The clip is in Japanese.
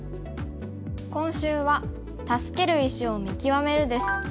今週は「助ける石を見極める」です。